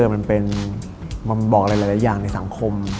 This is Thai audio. มันเป็นมันบอกหลายอย่างในสังคม